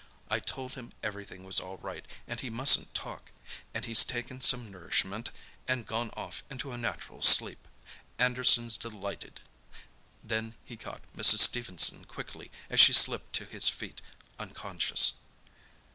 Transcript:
I told him everything was all right, and he mustn't talk—and he's taken some nourishment, and gone off into a natural sleep. Anderson's delighted." Then he caught Mrs. Stephenson quickly as she slipped to his feet, unconscious.